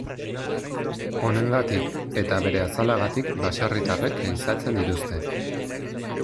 Honengatik eta bere azalagatik baserritarrek ehizatzen dituzte.